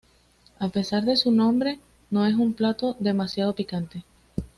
A pesar de su nombre, no es un plato demasiado picante.